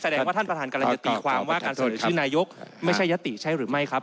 แสดงว่าท่านประธานกำลังจะตีความว่าการเสนอชื่อนายกไม่ใช่ยติใช่หรือไม่ครับ